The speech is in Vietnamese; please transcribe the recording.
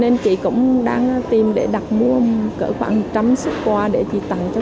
để chị tặng cho khách